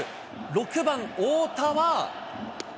６番大田は。